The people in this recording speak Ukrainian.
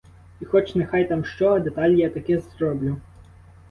І хоч нехай там що, а деталь я таки зроблю.